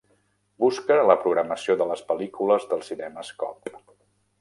Busca la programació de les pel·lícules dels cinemes Cobb.